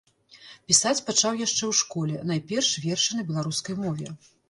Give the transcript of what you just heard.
Пісаць пачаў яшчэ ў школе, найперш вершы на беларускай мове.